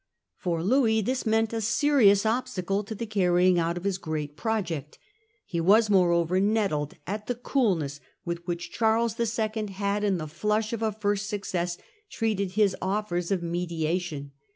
For Louis this meant a serious obstacle to the carrying out of his great project. He was moreover nettled at the coolness with which Charles II. had, in the flush of a first success, treated his offers of mediation.